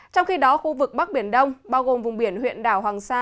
trong khi đó khu vực bắc biển đông bao gồm vùng biển huyện đảo hoàng sa